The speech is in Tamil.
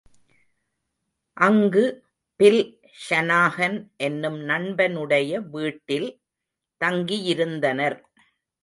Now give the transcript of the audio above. அங்கு பில் ஷனாஹன் என்னும் நண்பனுடைய வீட்டில் தங்கியிருந்தனர்.